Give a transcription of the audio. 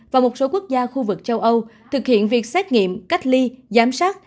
và một số quốc gia khu vực châu âu thực hiện việc xét nghiệm cách ly giám sát